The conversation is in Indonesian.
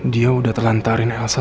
dia udah terlantarin elsa